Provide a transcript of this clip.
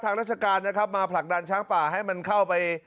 ราชการนะครับมาผลักดันช้างป่าให้มันเข้าไป